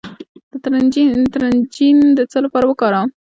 د ترنجبین د څه لپاره وکاروم؟